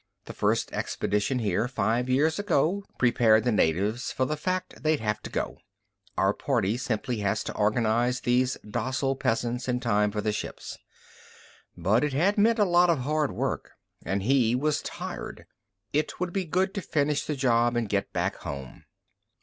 The first expedition here, five years ago, prepared the natives for the fact they'd have to go. Our party simply has to organize these docile peasants in time for the ships._ But it had meant a lot of hard work, and he was tired. It would be good to finish the job and get back home.